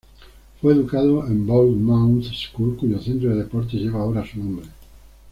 Fue educado en Bournemouth School, cuyo centro de deportes lleva ahora su nombre.